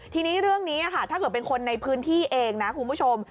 ทีนี้เรื่องนี้ถ้าเกิดเป็นคนในพื้นที่เองนะคุณผู้ชม